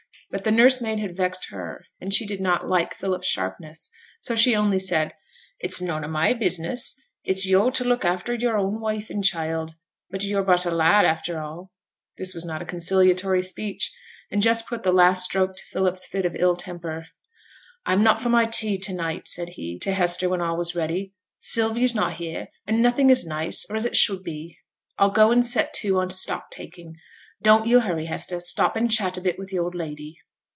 But the nursemaid had vexed her, and she did not like Philip's sharpness, so she only said, 'It's noane o' my business; it's yo' t' look after yo'r own wife and child; but yo'r but a lad after a'.' This was not conciliatory speech, and just put the last stroke to Philip's fit of ill temper. 'I'm not for my tea to night,' said he, to Hester, when all was ready. 'Sylvie's not here, and nothing is nice, or as it should be. I'll go and set to on t' stock taking. Don't yo' hurry, Hester; stop and chat a bit with th' old lady.'